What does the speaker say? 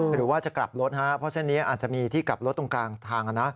หรือว่าจะกลับรถเพราะเส้นนี้อาจจะมีที่กลับรถตรงกลางทาง